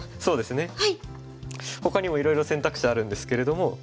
そうですねほかにもいろいろ選択肢あるんですけれども。